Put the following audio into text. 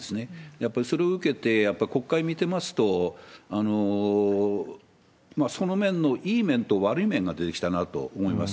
やっぱりそれを受けて、やっぱり国会見てますと、その面のいい面と悪い面が出てきたなと思います。